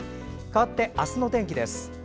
かわって、明日の天気です。